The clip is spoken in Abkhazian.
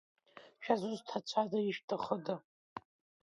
Шәызусҭцәада, ишәҭахыда?